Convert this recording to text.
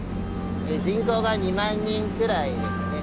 人口が２万人くらいですね。